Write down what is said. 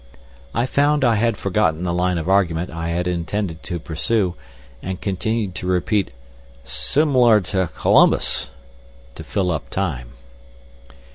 I found I had forgotten the line of argument I had intended to pursue, and continued to repeat "sim'lar to C'lumbus," to fill up time.